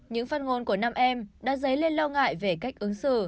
những phát ngôn của nam em đã dấy lên lo ngại về cách ứng xử